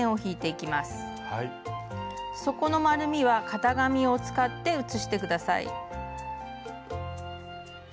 底の丸みは型紙を使って写してください。